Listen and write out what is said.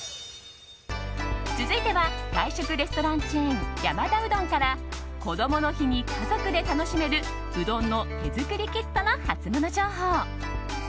続いては外食レストランチェーン山田うどんからこどもの日に家族で楽しめるうどんの手作りキットのハツモノ情報。